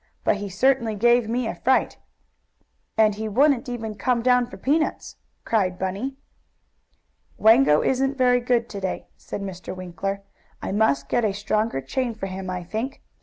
"But he certainly gave me a great fright." "And he wouldn't even come down for peanuts," cried Bunny. "Wango isn't very good to day," said Mr. Winkler. "I must get a stronger chain for him, I think.